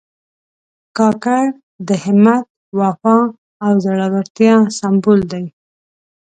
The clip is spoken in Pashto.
کاکړ د همت، وفا او زړورتیا سمبول دي.